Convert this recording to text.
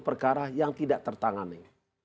perkara yang tidak tertangani